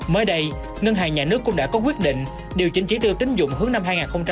mới đây ngân hàng nhà nước cũng đã có quyết định điều chỉnh chỉ tiêu tính dụng hướng năm hai nghìn hai mươi